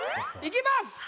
いきます！